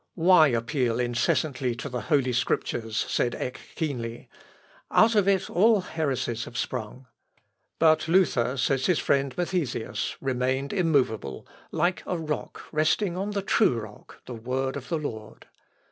"Why appeal incessantly to the Holy Scriptures?" said Eck keenly; "out of it all heresies have sprung." But Luther, says his friend Mathesius, remained immovable, like a rock resting on the true rock, the Word of the Lord.